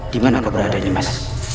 di mana kau berada jimas